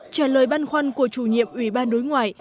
trả lời băn khoăn của chủ nhiệm ủy ban đối ngoại